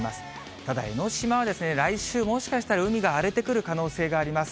ただ江の島は、来週、もしかしたら海が荒れてくる可能性があります。